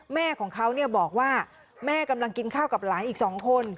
แม่ของเขาบอกว่าแม่กำลังกินข้าวกับหลานอีก๒คน